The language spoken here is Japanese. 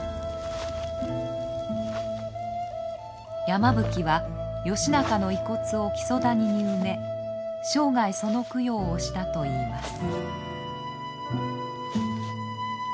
山吹は義仲の遺骨を木曽谷に埋め生涯その供養をしたといいます。